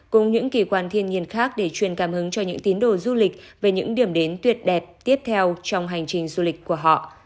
cùng những kỳ quan thiên nhiên khác để truyền cảm hứng cho những tín đồ du lịch về những điểm đến tuyệt đẹp tiếp theo trong hành trình du lịch của họ